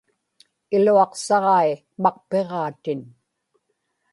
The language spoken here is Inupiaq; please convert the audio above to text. iluaqsaġai maqpiġaatin